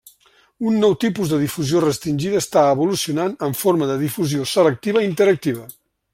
Un nou tipus de difusió restringida està evolucionant en forma de difusió selectiva interactiva.